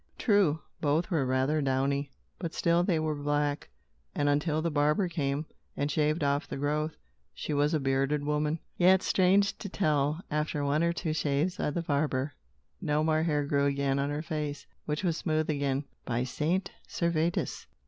True, both were rather downy, but still they were black; and, until the barber came, and shaved off the growth, she was a bearded woman. Yet, strange to tell, after one or two shaves by the barber, no more hair grew again on her face, which was smooth again. "By Saint Servatus!